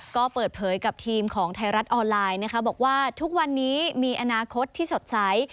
ก็เปิดเผยกับทีมของไทยรัฐออนไลน์นะคะบอกว่าทุกวันนี้มีอนาคตที่สดใส